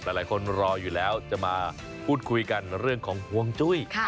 หลายคนรออยู่แล้วจะมาพูดคุยกันเรื่องของห่วงจุ้ย